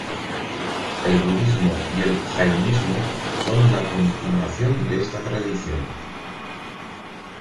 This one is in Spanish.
El Budismo y el Jainismo son la continuación de esta tradición.